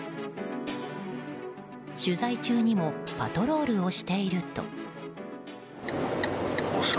取材中にもパトロールをしていると。